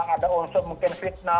ada unsur mungkin fitnah